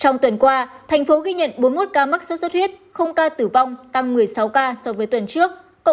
trong tuần qua thành phố ghi nhận bốn mươi một ca mắc sốt xuất huyết ca tử vong tăng một mươi sáu ca so với tuần trước